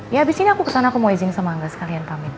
ya abis ini aku kesana aku mau izin sama angga sekalian pamit